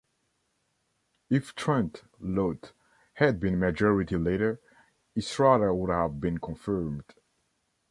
If Trent Lott had been majority leader, Estrada would have been confirmed.